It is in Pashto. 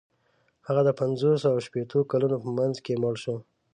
هغه د پنځوسو او شپیتو کلونو په منځ کې مړ شو.